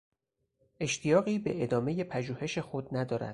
اشتیاقی به ادامهی پژوهش خود ندارد.